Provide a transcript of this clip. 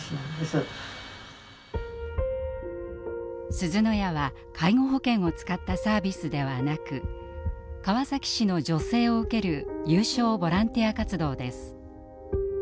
すずの家は介護保険を使ったサービスではなく川崎市の助成を受ける有償ボランティア活動です。